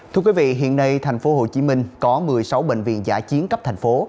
thưa quý vị hiện nay thành phố hồ chí minh có một mươi sáu bệnh viện giả chiến cấp thành phố